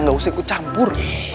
gausah ikut campur